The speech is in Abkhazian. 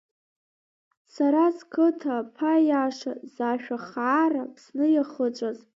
Сара сқыҭа аԥа иаша, зашәа хаара Аԥсны иахыҵәаз.